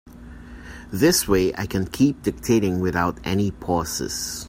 This way I can keep dictating without any pauses.